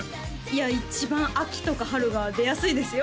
いや一番秋とか春が出やすいですよ？